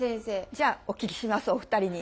じゃあお聞きしますお二人に。